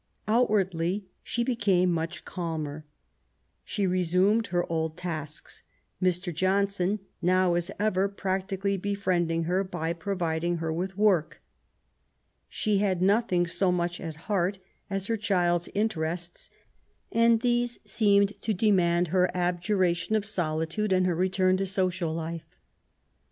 Outwardly she became much calmer. She resumed her old taskis ; Mr. Johnson now, as ever, practically befriending her by providing her with work. She had nothing so much at heart as her child's interests, and these seemed to demand her abjuration of solitude and her return to social life.